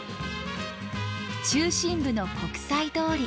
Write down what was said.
中心部の国際通り。